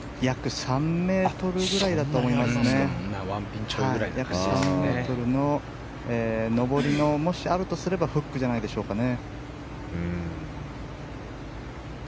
約３ｍの上りのもしあるとすればフックじゃないでしょうかね。